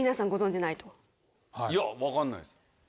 いや分かんないです。